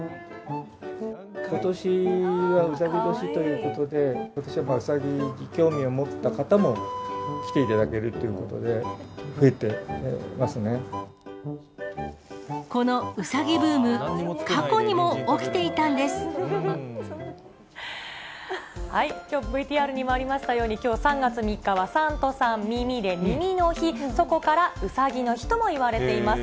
ことしはうさぎ年ということで、ことしはうさぎに興味を持った方も来ていただけるということで、このうさぎブーム、きょう、ＶＴＲにもありましたように、きょう３月３日は、３と３、ミミで、耳の日、そこからうさぎの日ともいわれています。